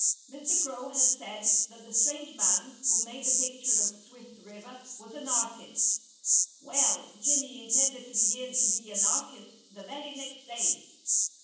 Mr. Crow had said that the strange man, who made the picture of Swift River, was an artist. Well, Jimmy intended to begin to be an artist the very next day.